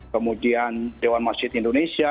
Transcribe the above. kemudian dewan masjid indonesia